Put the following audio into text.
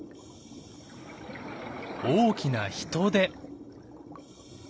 大きなヒトデ！